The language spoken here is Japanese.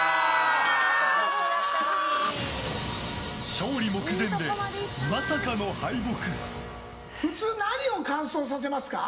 勝利目前で、まさかの敗北！